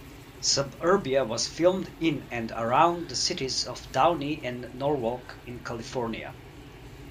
Suburbia was filmed in and around the cities of Downey and Norwalk in California.